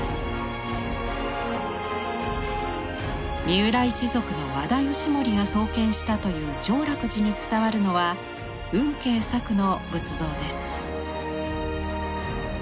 三浦一族の和田義盛が創建したという浄楽寺に伝わるのは運慶作の仏像です。